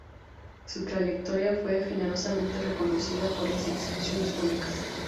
Su trayectoria fue generosamente reconocida por las instituciones públicas.